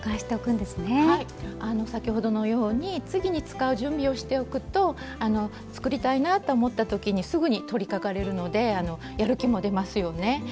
先ほどのように次に使う準備をしておくと作りたいなと思った時にすぐに取りかかれるのでやる気も出ますよね。